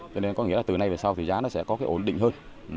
cho nên có nghĩa là từ nay về sau thì giá nó sẽ có cái ổn định hơn